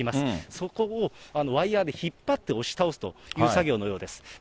そこをワイヤーで引っ張って押し倒すという作業のようです。